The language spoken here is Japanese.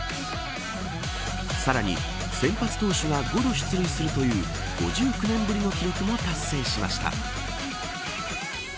さらに先発投手が５度出塁するという５９年ぶりの記録も達成しました。